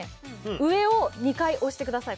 上を２回押してください